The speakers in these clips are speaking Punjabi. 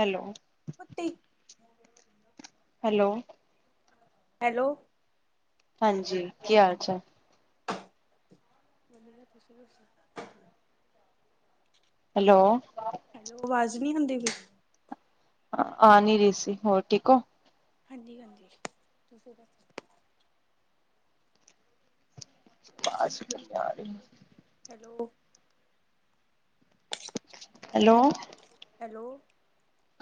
ਹੈਲੋ। ਕੁੱਤੀ। ਹੈਲੋ। ਹੈਲੋ। ਹਾਂਜੀ, ਕੀ ਹਾਲ-ਚਾਲ। ਵਦੀਆ, ਤੁਸੀਂ ਦਸੋ? ਹੈਲੋ। ਹੈਲੋ, ਆਵਾਜ਼ ਨੀ ਹੁੰਦੀ [unintelligible] ਆ ਨੀ ਰੀ ਸੀ, ਹੋਰ ਠੀਕ ਓ। ਹਾਂਜੀ-ਹਾਂਜੀ, ਤੁਸੀ ਦੱ ਬਾਸ ਰ [unintelligible] ਹੈਲੋ। ਹੈਲੋ। ਹੈਲੋ।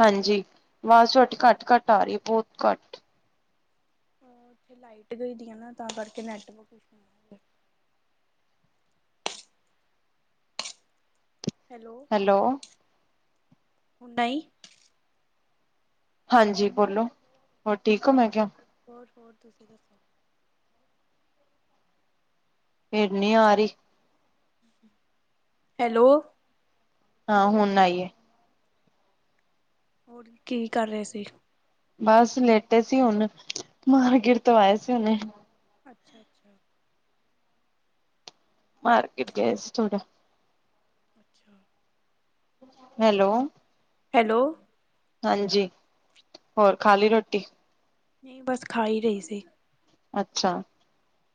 ਹਾਂਜੀ, ਵਾਜ਼ ਤੁਆਡੀ ਹਾਂਜੀ ਘੱਟ-ਘੱਟ ਆ ਰਈ ਏ, ਬੋਤ ਘੱਟ। ਉਹ ਉੱਥੇ ਲਾਈਟ ਗਈ ਦੀ ਆ ਨਾ ਤਾਂ ਕਰਕੇ ਨੈਟ ਵਰਕ ਈਸ਼ੁ ਨਾ ਹੋਵੇ। ਹੈਲੋ, ਹੁ ਨਈ। ਹਾਂਜੀ ਬੋਲੋ, ਹੋਰ ਠੀਕ ਓ ਮੈਂ ਕਿਆ। ਹੋਰ-ਹੋਰ ਤੁਸੀਂ ਦੱਸੋ? ਫਿਰ, ਨੀ ਆ ਰਹੀ। ਹੈਲੋ! ਹਾਂ, ਹੁਣ ਆਈਏ। ਹੋਰ, ਕੀ ਕਰ ਰਹੇ ਸੀ? ਬਸ ਲੇਟੇ ਸੀ ਹੁਨ, ਮਾਰਕੀਟ ਤੋਂ ਆਏ ਸੀ ਹੁਨੇ। ਅੱਛਾ- ਅੱਛਾ। ਮਾਰਕਿਟ ਗਏ ਸੀ ਥੋੜਾ। ਅੱਛਾ। ਹੈਲੋ। ਹੈਲੋ। ਹਾਂਜੀ, ਹੋਰ ਖਾਲੀ ਰੋਟੀ? ਨਹੀਂ, ਬਸ ਖਾ, ਹੀ ਰਹੀ ਸੀ। ਅੱਛਾ।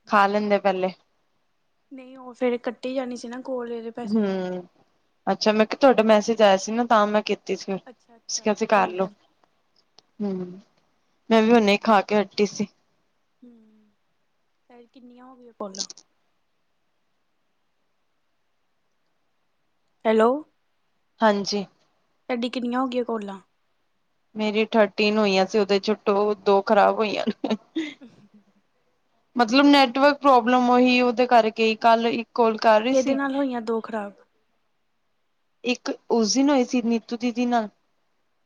ਖਾ ਲੈਂਦੇ ਪਹਿਲੇ। ਨਹੀਂ ਉਹ ਫੇਰ, ਕੱਟੀ ਜਾਣੀ ਸੀ ਨਾ ਕੋਲ ਫਿਰ ਹੂੰ, ਅੱਛਾ ਮੈਂ ਕਿਹਾ ਤੁਹਾਡਾ ਮੈਸੇਜ ਆਇਆ ਸੀ ਨਾ, ਤਾਂ, ਮੈਂ ਕੀ ਸੀ, ਫਿਰ ਅੱਛਾ ਤੁਸੀਂ ਅੱਛਾ ਕਿਆ ਸੀੇ ਕੋਈ ਕਾਰਲੋ। ਗੱਲ ਹੂੰ, ਮੈਂ ਵੀ ਹੁਨੇ ਖਾਕੇ ਹਟੀ ਸੀ। ਹੂੰ, ਤੇ ਕਿੰਨੀਆਂ ਹੋ ਗਈਆਂ ਕੌਲਾਂ? ਹੈਲੋ। ਹਾਂਜੀ। ਤਾਡੀ ਕਿੰਨੀਆਂ ਹੋ ਗਈਆਂ ਕੌਲਾਂ? ਮੇਰੀ ਥਰਟੀਨ ਹੋਈਆਂ ਸੀ, ਉਹਦੇ'ਚੋ ਟੂ, ਦੋ ਖ਼ਰਾਬ ਹੋਈਆਂ ਨੇ। ਹ [inaudible] ਮਤਲਬ ਨੈਟਵਰਕ ਪ੍ਰੋਬਲਮ ਉਹੀ, ਉਹਦੇ ਕਰਕੇ ਹੀ। ਕੱਲ ਇੱਕ ਕੋਲ ਕਰ ਰੀ, ਕਿਹਦੇ ਸੀ। ਨਾਲ ਦੋ ਖਰਾਬ [inaudible] ਇੱਕ ਉਸ ਦਿਨ ਹੋਈ ਸੀ, ਨੀਤੂ ਦੀਦੀ ਨਾਲ,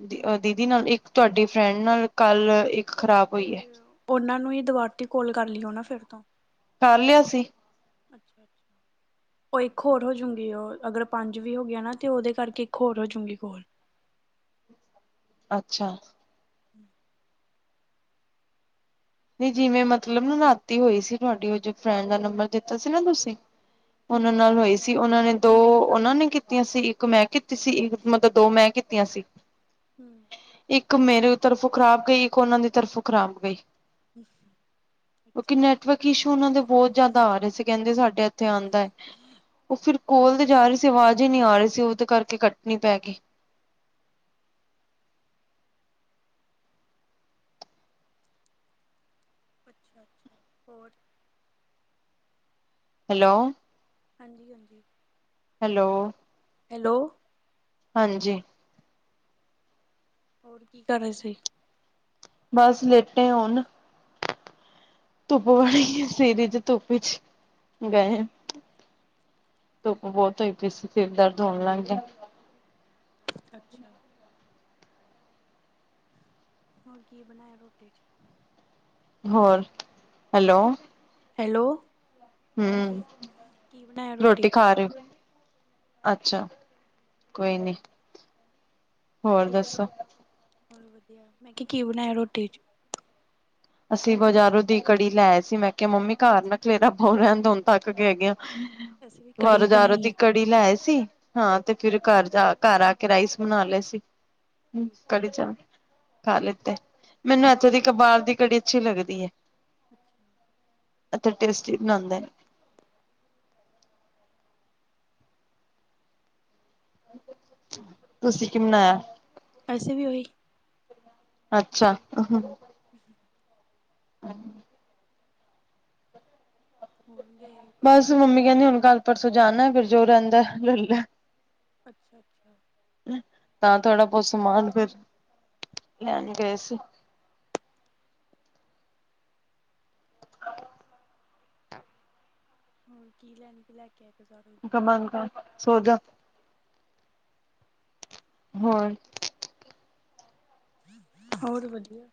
ਦੀ, ਦੀ ਨਾਲ ਇੱਕ ਤੁਹਾਡੀ ਫਰੈਂਡ ਨਾਲ, ਕੱਲ, ਇੱਕ ਖ਼ਰਾਬ ਤੇ ਹੋਈ ਏ। ਉਹਨਾਂ ਨੂੰ ਈ ਦੁਵਾਰ ਤੇ ਕੋਲ ਕਰ ਲੀਓ, ਨਾ ਫਿਰ ਤੋਂ। ਕਰ ਲਿਆ ਸੀ। ਅੱਛਾ-ਅੱਛਾ। ਉਹ ਇੱਕ ਹੋਰ ਹੋਜੂਗੀ ਉਹ, ਅਗਰ ਪੰਜ ਵੀ ਹੋ ਗਿਆ ਨਾ, ਤੇ ਉਹਦੇ ਕਰਕੇ ਇੱਕ ਹੋਰ ਹੋਜੂਗੀ ਕੋਲ। ਅੱਛਾ। ਹਮ [inaudible] ਨਹੀਂ ਜਿਵੇਂ ਮਤਲਬ ਨ ਰਾਤੀ ਹੋਈ ਸੀ ਤੁਹਾਡੀ, ਉਹ ਜ ਫਰੈਂਡ ਦਾ ਨੰਬਰ ਦਿੱਤਾ ਸੀ ਨਾ ਤੁਸੀਂ। ਉਹਨਾਂ ਹਮ ਨਾਲ ਹੋਈ ਸੀ, ਉਹਨਾਂ ਨੇ ਦੋ ਉਹਨਾਂ ਨੇ ਕੀਤੀਆਂ ਸੀ, ਇੱਕ ''ਮੈਂ ਕੀਤੀ ਸੀ, ਇੱਕ ਮਤਲਬ ਦੋ ਮੈਂ ਕੀਤੀਆਂ ਸੀ। [inaudible] ਹੂੰ ਇੱਕ ਮੇਰੀ ਤਰਫੋਂ ਖਰਾਬ ਗਈ, ਇੱਕ ਉਹਨਾਂ ਦੀ ਤਰਫੋਂ ਖਰਾਬ ਗਈ। [inaudible] ਕਿਉਂਕਿ ਅੱਛਾ ਨੈਟਵਰਕ ਇਸ਼ੂ ਉਹਨਾ ਦੇ ਬਹੁਤ ਜ਼ਿਆਦਾ ਆ ਰਹੇ ਸੀ ਕਹਿੰਦੇ ਸਾਡੇ ਇੱਥੇ ਆਦਾਂ। ਉਹ ਫਿਰ ਇਹ ਕੋਲ ਤੇ ਤਾਂ ਜਾ ਰਹੀ ਸੀ ਆਵਾਜ਼ ਹੀ ਨਹੀ ਆ ਰਹੀ ਸੀ ਉਹਦੇ ਕਰਕੇ ਕੱਟਣੀ ਪੈ ਗਈ। ਅੱਛਾ- ਅੱਛਾ, ਹੋਰ? ਹੈਲੋ! ਹਾਂਜੀ- ਹਾਂਜੀ। ਹੈਲੋ! ਹੈਲੋ! ਹਾਂਜੀ। ਹੋਰ, ਕੀ ਕਰ ਰਹੇ ਸੀ? ਬਸ ਲੇਟੇ, ਹੋਣ ਧੁੱਪ ਵੜੀ ਸੀਰੀ'ਚ, ਧੁੱਪ' ਚ ਗਏ ਆਂ। ਧੁੱਪ ਬਹੁਤ ਹੋਈ ਪਈ ਸੀ ਸਿਰ ਦਰਦ ਹੋਣ ਲੱਗ ਗਿਆ। ਅੱਛਾ। ਹੋਰ ਕੀ ਬਣਾਇਆ ਰੋਟੀ ਚ? ਹੋਰ ਹੈਲੋ? ਹੈਲੋ? ਹੂੰ ਕੀ ਬਣਾਇਆ ਰੋਟੀ ਚ ਖਾ ਰਹੇ ਔ? ਅੱਛਾ, ਕੋਈ ਨੀ ਹੋਰ ਦੱਸੋ? ਹੋਰ ਵਧੀਆ, ਮੈਂ ਕਿਹਾ ਕੀ ਬਣਾਇਆ ਰੋਟੀ ਚ? ਅਸੀਂ ਬਜ਼ਾਰੋਂ ਦੀ ਕੜੀ ਲੈ ਆਏ ਸੀ ਮੈਂ ਕਿਹਾ ਮੰਮੀ ਘਰ ਅੱਛਾ ਨਾ ਖਲੇਰਾ ਅੱਛਾ ਪਾਓ ਰਹਿਣ ਦਿਉ ਹੁਣ ਥੱਕ ਹੈਗੇ ਆ। ਅਸੀਂ ਵੀ ਕੜੀ ਬਜ਼ਾਰੋ ਬਣਾਈ ਦੀ ਆ ਘਰ। ਕੜੀ ਲੈ ਆਏ ਸੀ। ਹਾਂ ਤੇ ਫਿਰ ਘਰ ਜਾ ਘਰ ਆ ਕੇ ਰਾਈਸ ਬਣਾ ਲਏ ਸੀ। ਠੀਕ ਕੜੀ ਚਾਵਲ ਖਾ ਲਿੱਤੇ ਮੈਨੂੰ ਇੱਥੋਂ ਦੀ ਇਕ ਬਾਹਰ ਦੀ। ਕੜੀ ਅੱਛੀ ਲੱਗਦੀ ਏ, ਅਤੇ ਟੇਸ ਇਤਨਾ ਆਂਦਾ ਏ। ਤੁਸੀਂ ਕੀ ਬਣਾਇਆ? ਅਸੀ ਵੀ ਉਹੀ। ਅੱਛਾ। ਠੀਕ। ਹਾਂ ਜੀ। ਹੁਣ ਗਏ? ਬਸ ਮੰਮੀ ਕਹਿੰਦੀ ਹੁਣ ਕੱਲ ਪਰਸੋਂ ਜਾਣਾ ਫਿਰ ਜੋ ਰਹਿੰਦਾ ਏ ਲੈ ਲੈ। ਅੱਛਾ, ਅੱਛਾ। ਤਾਂ ਥੋੜ੍ਹਾ ਬਹੁਤ ਸਮਾਨ ਫਿਰ ਲੈਣ ਹਮ ਗਏ ਸੀ। [inaudible] ਹੋਰ ਕੀ ਲੈਣਾ? [inaudible] ਕੰਬਲ ਪਾ ਤੇ ਸੋ ਜਾ। ਹੋਰ? ਹੋਰ ਵਧੀਆ।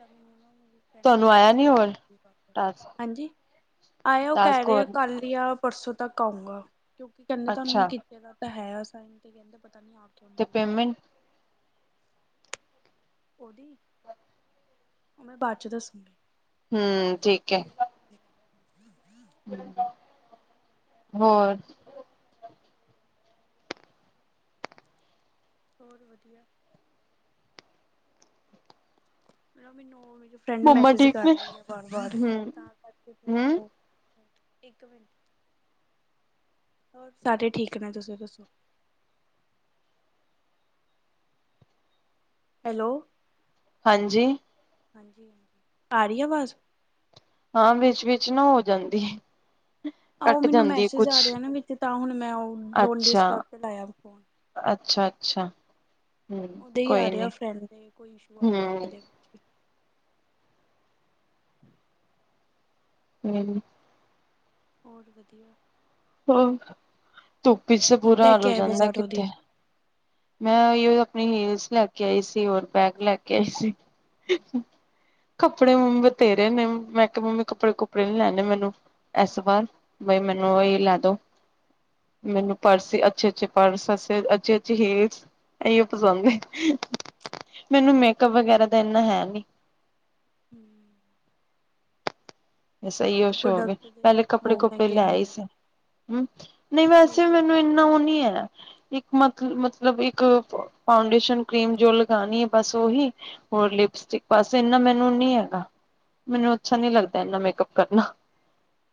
ਮੈਨੂੰ ਨਾ, ਮੇਰੀ ਫਰੈਂਡ ਤੁਹਾਨੂੰ ਆਇਆ ਮੈਸਜ ਨੀ ਕਰਦੀ ਹੋਰ ਪਈ ਬਾਰ ਬਾਰ ਟਾਸਕ ਹਾਂਜੀ? ਆਇਉ ਕਹਿ ਟਾਸਕ ਰਹੇ ਆ ਹੋਰ ਕੱਲ ਆ ਪਰਸੋਂ ਤੱਕ ਆਊਂਗਾ ਕਿਉਂਕਿ ਕਹਿੰਦੇ ਤੁਹਾਨੂੰ। ਅੱਛਾ ਕਿਹਾ ਤਾਂ ਹੈ ਸਾਈਨ ਤੇ ਕਹਿੰਦੇ ਪਤਾ ਨੀ ਆ ਕੇ। ਤੇ ਪੇਮੈਂਟ? ਉਹਦੀ ਉਹ ਮੈਂ ਬਾਅਦ ਚ ਦੱਸੂਗੀ। ਹਮ ਠੀਕ ਹੈ। ਹੋਰ? ਹੋਰ ਵਧੀਆ। ਮਤਲਬ ਮੈਂਨੂੰ ਉਹ ਵੀ। ਫਰੈਂਡ ਮੰਮਾ ਮੈਸੇਜ ਠੀਕ ਕਰ ਨੇ ਰਹੀ ਆ ਵਾਰ ਵਾਰ ਹੂੰ ਤਾਂ ਕਰਕੇ ਥੋੜ੍ਹਾ ਹੂੰ ਉਹ ਇੱਕ ਮਿੰਟ। ਹੋਰ ਸਾਰੇ ਠੀਕ ਨੇ ਤੁਸੀਂ ਦੱਸੋ? ਹੈਲੋ। ਹਾਂਜੀ। ਹਾਂਜੀ, ਆ ਰਹੀ ਅਵਾਜ? ਹਾਂ ਵਿੱਚ ਵਿਚ ਨਾ ਹੋ ਜਾਂਦੀ ਹੈ। ਆਹੋ ਮੈਨੂੰ ਮੈਸੇਜ ਆ ਰਿਹਾ ਨਾ ਵਿੱਚ ਤਾਂ ਹੁਣ ਮੈਂ ਉਹ ਡੋਂਟ ਅੱਛਾ ਡਿਸਟਰਬ ਤੇ ਲਾਇਆ ਏ ਫੋਨ। ਅੱਛਾ ਅੱਛਾ ਹਮ ਉਹਦੇ ਹੀ ਕੋਈ ਆ ਰਿਹਾ ਨੀ ਫਰੈਂਡ ਦੇ ਕੋਈ ਇਸ਼ੂ ਆ ਰਿਹਾ ਹਮ। ਐਪ ਦੇ ਵਿੱਚ ਹੈ? ਹਮ। ਹੋਰ ਵਧੀਆ। ਧੁੱਪ ਚ ਤੇ ਕੀ ਬੁਰਾ ਲੈ ਹਾਲ ਕੇ ਹੋ ਆਏ ਜਾਂਦਾ ਬਾਜ਼ਾਰੋਂ ਦੀ ਕਿੱਥੇ ਮੈਂ ੳਈ ੳਈ ਆਪਣੀ ਹੀਲਸ ਲੈ ਕੇ ਆਈ ਸੀ ਹੋਰ ਬੈਗ ਲੈ ਅੱਛਾ ਕੇ ਆਈ ਅੱਛਾ ਸੀ। ਕੱਪੜੇ ਮਮੀ ਵਥੇਰੇ ਨੇ ਮੈਂ ਕਿਹਾ ਮੰਮੀ ਕੱਪੜੇ ਕੁੱਪੜੇ ਨੀ ਲੈਣੇ ਮੈਨੂੰ ਇਸ ਅੱਛਾ ਵਾਰ ਬਈ ਮੈਨੂੰ ਇਹਹੀ ਲੇ ਦੋ ਮੈਨੂੰ ਠੀਕ ਆ ਪਰਸ ਅੱਛੇ, ਅੱਛੇ। ਪਰਸ ਅੱਛੇ ਅੱਛੇ ਜੇ ਹਿਲਸ ਇਹੳ ਹਮ ਪਸੰਦ ਹੈ। ਮੈਨੂੰ ਮੇਕਅਪ ਵਗੈਰਾ ਦਾ ਇੰਨਾ ਹੈ ਨੀ। ਹਮ। ਬਸ ਇਹੳ ਸ਼ੋਕ ਏ ਪ੍ਰੋਡਕਟ ਦੇ ਪਹਿਲੇ ਕੱਪੜੇ ਬਹੁਤ ਕੁਪੜੇ ਮਹਿੰਗੇ ਲੈ ਹੀ ਆਉਂਦੇ ਆ ਸੀ। ਹਮ ਨਹੀਂ ਵੈਸੇ ਵੀ ਮੇਕਅਪ ਮੈਨੂੰ ਦੇ ਇੰਨਾ ਉਹ ਨੀ ਹੈ। ਮਤ ਮਤਲਬ ਇੱਕ ਫਾਊਂਡੇਸ਼ਨ ਕਰੀਮ ਜੋ ਲਗਾਉਣੀ ਹੈ ਬਸ ਉਹੀ। ਹੋਰ ਲਿਪਸਟਿਕ ਬਾਸ ਇੰਨਾ ਮੈਨੂੰ ਨੀ ਹੈਗਾ ਮੈਨੂੰ ਅੱਛਾ ਨੀ ਲੱਗਦਾ। ਏਨਾ ਮੇਕਅਪ ਕਰਨਾ।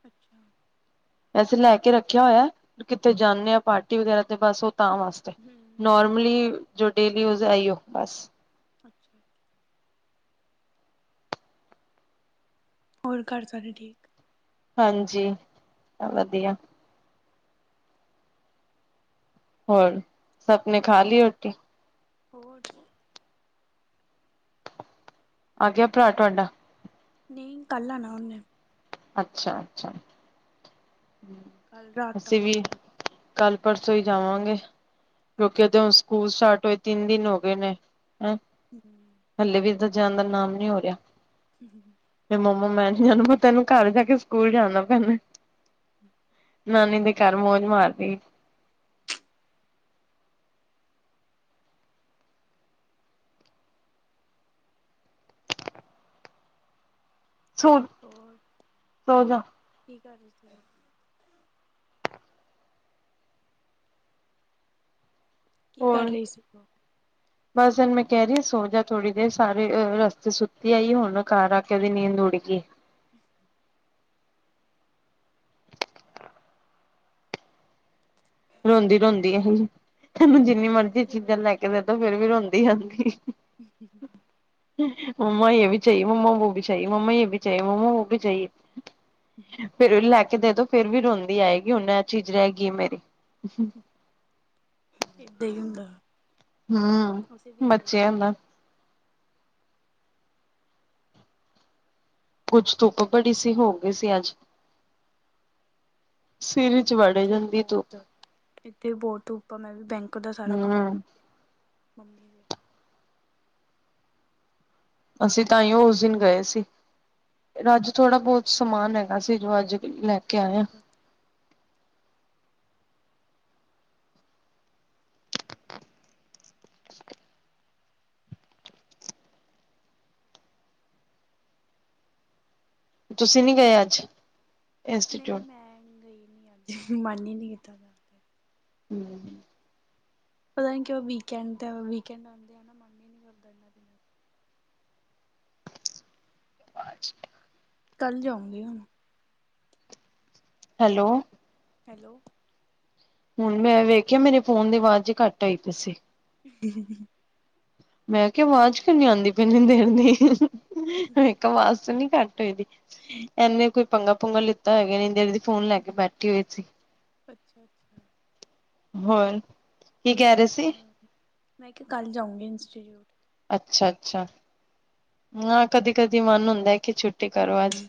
ਅੱਛਾ। ਵੈਸੇ ਲੈ ਕੇ ਰੱਖਿਆ ਹੋਇਆ ਕਿਤੇ ਜਾਂਦੇ ਆ ਪਾਰਟੀ ਵਗੈਰਾ ਤੇ ਬਸ ਉਹ ਤਾਂ ਵਾਸਤੇ। ਹਮ ਨੋਰਮਲੀ ਜੋ ਡੇਲੀ ਜੁਸ ਆਈ ਹੋ ਬਸ। ਅੱਛਾ। ਹੋਰ ਘਰ ਸਾਰੇ ਠੀਕ। ਹਾਂਜੀ ਵਧੀਆ। ਹੋਰ ਸਬ ਨੇੇ ਖਾ ਹੋਰ ਲਈ ਰੋਟੀ। ਹੋਰ। ਆਗਿਆ ਭਰਾ ਤੁਹਾਡਾ। ਨਹੀਂ ਕੱਲ੍ਹ ਆਉਣਾ ਉਹਨੇ। ਅੱਛਾ, ਅੱਛਾ। ਕੱਲ ਰਾਤ ਤੱਕ ਅਸੀਂ ਵੀ ਕਜੁਗਾ। ਕੱਲ ਪਰਸੋਂ ਹੀ ਜਾਵਾਂਗੇ ਕਿਉਕਿ ਅੱਛਾ ਉਹਦੇ ਹ ਸਕੂਲ ਸਟਾਰਟ ਹੋਏ ਤਿੰਨ ਦਿਨ ਹੋ ਗਏ ਨੇ ਹੈਂ ਹਮ। ਹਲੇ ਵੀ ਇਦਾਂ ਜਾਣ ਦਾ ਨਾਮ ਨੀ ਹੋ ਰਿਹਾ। ਹਮ। ਤੇ ਮੰਮਾ ਮੈਂ ਨੀ ਜਾਣਾ ਨੂੰ ਤੈਨੂੰ ਘਰ ਜਾ ਕੇ ਸਕੂਲ ਜਾਣਾ ਪੈਣਾ। ਹਮ ਨਾਨੀ ਦੇ ਘਰ ਮੌਜ ਮਾਰਦੀ ਸੋ ਹੋਰ ਸੌਜਾ। ਕੀ ਕਰ ਰਹੀ ਸੀ ਤੂ ਅੱਜ। ਕੀ ਕਰ ਹੋਰ ਰਹੀ ਸੀ ਤੂ। ਬਸ ਇਹਨੂੰ ਮੈਂ ਕਹਿ ਰਹੀ ਸੋ ਜਾ ਆ ਥੋੜੀ ਦੇਰ ਸਾਰੇ ਰਸਤੇ ਸੁੱਤੀ ਆਈ ਹੁਣ ਘਰ ਆ ਕੇ ਉਹਦੀ ਨੀਂਦ ਉੱੜ ਗਈ। ਹਮ [inaudible] ਰੋਂਦੀ ਰੋਂਦੀ ਆਈ ਏ ਇਹਨੂੰ ਜਿੰਨੀ ਮਰਜ਼ੀ ਕਿਉਂ ਚੀਜ਼ਾਂ ਲੈ ਕੇ ਦੇਦੋ ਫਿਰ ਵੀ ਰੋਂਦੀ ਆਂਦੀ। ਜੀ ਜੀ ਜੀ [inaudible] ਮੰਮਾ ਇਹ ਵੀ ਚਾਹੀਏ ਮੰਮਾ ਵੋ ਬੀ ਵੀ ਚਾਹੀਏ ਮੰਮਾ ਇਹ ਵੀ ਚਾਹੀਏ ਮੰਮਾ ਵ ਵੀ ਚਾਹੀਏ, ਫਿਰ ਲੈ ਕੇ ਦੇ ਦੋ ਫਿਰ ਵੀ ਰੋਂਦੀ ਆਏਗੀ, ਉਹਨੇ ਇਹ ਚੀਜ਼ ਰਹਿ ਗਈ ਮੇਰੀ ਏਦਾਂ ਹੀ ਹੁੰਦਾ ਹਮ ਅਸੀਂ ਵੀ ਏਦਾਂ ਹੀ ਬੱਚਿਆ ਸੀਗੇ ਦਾ। ਕੁੱਝ ਧੁੱਪ ਬੜੀ ਸੀ ਹੋ ਗਈ ਸੀ ਅੱਜ। ਸਿਰ ਚ ਹਮ ਵੜੀ ਇੱਥੇ ਵੀ ਜਾਂਦੀ ਤੂ ਬਹੁਤ ਇੱਥੇ ਬਹੁਤ ਧੂਪ ਆ ਮੈਂ ਵੀ ਬੈਂਕ ਦਾ ਸਾਰਾ ਕੰਮ ਹੂੰ ਕਰਕੇ ਮੰਮੀ ਦੇ ਅਸੀਂ ਤਾਂ ਹੀ ਉਹ ਉਸ ਦਿਨ ਗਏ ਸੀ ਅੱਜ ਥੋੜ੍ਹਾ ਬਹੁਤ ਸਮਾਨ ਹੈਗਾ ਸੀ ਜੋ ਅੱਜ ਲੈ ਕੇ ਅੱਛਾ, ਆਏ ਆ। ਅੱਛਾ। ਤੁਸੀਂ ਨੀ ਗਏ ਅੱਜ। ਨਹੀਂ ਇੰਸਟੀਚਿਊਟ ਮੈਂ ਨੀ ਗਈ ਨੀ ਅੱਜ ਮਨ ਹੀ ਨਹੀਂ ਕੀਤਾ। ਤੇ ਹਮ ਪਤਾ ਨੀ ਕਿ ਉਹ ਵੀਕਐਂਡ ਵੀਕਐਂਡ ਆਉਂਦੇ ਨੀ ਚ। ਅ ਕੱਲ ਜਾਉਂਗੀ ਹੁਣ ਹੈਲੋ ਹੈਲੋ ਹੁਣ ਮੈਂ ਵੇਖਿਆ ਮੇਰੇ ਫੋਨ ਦੀ ਆਵਾਜ਼ ਜ ਘੱਟ ਆਈ ਤੁਸੀਂ ਹ ਮੈਂ ਕਿਹਾ ਆਵਾਜ਼ ਕਿਉ ਨੀ ਆਉਂਦੀ ਪਹਿਲੇ ਦੇਰ ਦੀ ਵੇਖਾ ਆਵਾਜ਼ ਤੇ ਨਹੀ ਘੱਟ ਇਹਨੇ ਕੋਈ ਪੰਗਾ ਪੁੰਗਗਾ ਲਿੱਤਾ ਹੈਗਾ ਨ ਫੋਨ ਲੈ ਕੇ ਬੈਠੀ ਹੋਈ ਸੀ ਅੱਛਾ ਅੱਛਾ ਹੋਣ, ਕੀ ਕਹਿ ਰਹੇ ਸੀ ਮੈਂ ਕਿਹਾ ਕੱਲ੍ਹ ਜਾਊਂਗੀ ਇੰਸਟੀਚਿਊਟ ਅੱਛਾ- ਅੱਛਾ, ਨਾ ਕਦੀ- ਕਦੀ ਮਨ ਹੁੰਦਾ ਕਿ ਛੁੱਟੀ ਕਰੋ ਹਮ ਅੱਜ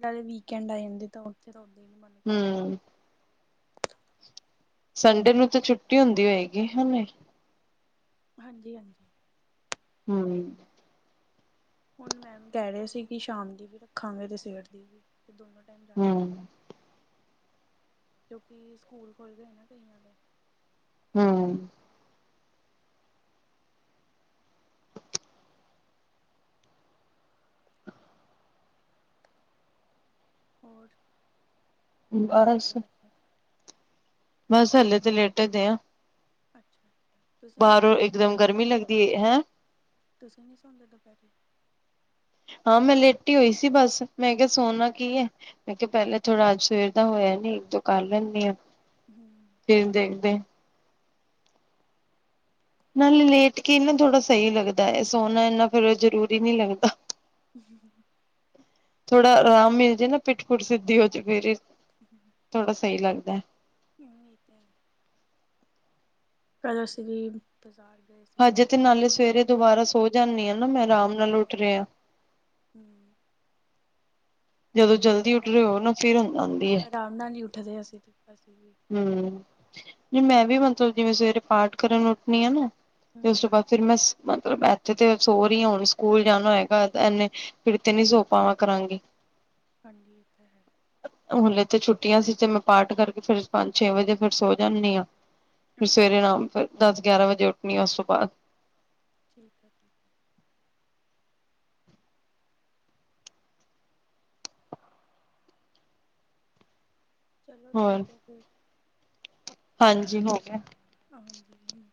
ਨਾਲੇ ਵੀਕਐਂਡ ਆ ਜਾਂਦੇ ਤਾਂ ਉੱਥੇ ਤਾਂ ਓਦ ਹੀ ਮਨ ਨਹੀ ਕਰਦਾ ਹਮ ਸੰਡੇ ਨੂੰ ਤਾਂ ਛੁੱਟੀ ਹੁੰਦੀ ਹੋਏਗੀ ਕਿ ਨਹੀ ਹਾਂਜੀ ਹਾਂਜੀ ਹਮ ਹੁਣ ਮੈਮ ਕਹਿ ਰਹੇ ਸੀ ਕਿ ਸ਼ਾਮ ਦੀ ਵੀ ਰੱਖਾਂਗੇ ਤੇ ਸਵੇਰ ਦੀ ਵੀ ਤੇ ਦੋਨੋ ਟਾਈਮ ਜਾਣਾ ਪੈਣਾ ਹਮ ਕਿਉਂਕਿ ਖੁੱਲ੍ਹ ਗਏ ਨਾ ਕਈਆਂ ਦੇ ਹਮ ਹੋਰ, ਕੀ ਬਸ ਕਰਦੇ ਬੈਠੇ ਬਸ ਹਲੇ ਤੇ ਲੇਟੇਦੇ ਆਾਂ ਅੱਛਾ ਤੁਸੀਂ ਨੀ ਬਾਹਰੋਂ ਸੌਂਦੇ ਇੱਕਦਮ ਦੁਪਹਿਰੇ ਗਰਮੀ ਲੱਗਦੀ ਹੈ ਹੈਂ ਤੁਸੀਂ ਨੀ ਸੌਦੇ ਦੁਪਹਿਰੇ ਹਾਂ ਮੈਂ ਲੇਟੀ ਹੀ ਹੋਈ ਸੀ ਬਸ, ਮੈਂ ਕਿਹਾ ਸੌਣਾ ਕੀ ਹੈ ਮੈਂ ਕਿਹਾ ਪਹਿਲਾਂ ਥੋੜਾ ਅੱਜ ਸਵੇਰ ਦਾ ਹੋਇਆ ਨਹੀਂ, ਤੋ ਕਰ ਲੈਂਦੇ ਹਾਂ ਹਮ ਫਿਰ ਦੇਖਦੇ ਨਾਲੇ ਲੇਟ ਕੇ ਨਾ ਥੋੜ੍ਹਾ ਸਹੀ ਲੱਗਦਾ ਹੈ, ਸੋਹਣਾ ਇੰਨਾ ਫੇਰ ਜ਼ਰੂਰੀ ਨਹੀ ਲੱਗਦਾ ਹਮ ਥੋੜਾ ਆਰਾਮ ਮਿਲ ਜੇ ਨਾ ਪਿੱਟ ਪੁਠ ਸਿੱਧੀ ਹੋ ਜਾ ਫੇਰ ਜੀ ਥੋੜਾ ਸਹੀ ਲੱਗਦਾ ਇਹ ਤੇ ਹੈ ਅਸੀ ਵੀ ਬਾਜ਼ਾਰ ਗਏ ਸੀਗੇ ਹਜੇ ਤੇ ਮੈਨੂੰ ਨਾਲੇ ਇੰਨੀ ਸਵੇਰੇ ਨੀਂਦ ਦੁਬਾਰਾ ਸੋ ਜਾਂਦੀ ਹ ਨਾ ਮੈਂ ਆਰਾਮ ਨਾਲ ਅੱਛਾ ਉੱਠ ਰਿਹਾ ਅੱਛਾ ਹਮ ਜਦੋਂ ਅਸੀਂ ਜਲਦੀ ਉੱਠ ਘਰ ਰਹੇ ਹੋ ਜਾਂਦੇ ਨਾ ਫਿਰ ਨੀਂਦ ਆਂਦੀ ਐ। ਅਰਾਮ ਨਾਲ ਨੀ ਉੱਠਦੇ ਅਸੀਂ ਵੀ ਹਮ, ਮੈਂ ਵੀ ਮਤਲਬ ਜਿਵੇਂ ਸਵੇਰੇ ਪਾਠ ਕਰਨ ਉੱਠਣੀ ਆ ਨਾ ਹਮ ਤੇ ਉਸ ਹਮ ਤੋਂ ਬਾਅਦ ਫਿਰ ਮੈਂ ਮਤਲਬ ਇੱਥੇ ਤੇ ਸੋਹ ਰਹੀ ਹ ਹੁਣ ਸਕੂਲ ਜਾਣਾ ਹੋਗਾ ਇਨੇ। ਫਿਰ ਤੇ ਨੀ ਸੌ ਪਾਵਾਂ ਕਰਾਂਗੀ ਹਾਂਜੀ ਇਹ ਤਾਂ ਹੈ ਹੋਲੇ ਤੇ ਛੁੱਟੀਆਂ ਸੀ ਤੇ ਮੈਂ ਪਾਠ ਕਰਕੇ ਫਿਰ ਪੰਜ ਛੇ ਵਜੇ ਫਿਰ ਸੋ ਜਾਂਦੀ ਹਾਂ ਫਿਰ ਅੱਛਾ ਸਵੇਰੇ ਅੱਛਾ ਆਰਾਮ ਫਿਰ ਦਸ ਗਿਆਰਾਂ ਵਜੇ ਉੱਠਣੀ ਉਸ ਤੋਂ ਬਾਅਦ ਠੀਕ ਹੈ ਜੀ ਚਲੋ ਹੋਰ ਠੀਕ ਹੈ ਫਿਰ ਹਾਂਜੀ ਹੋ ਗਿਆ ਹਾਂਜੀ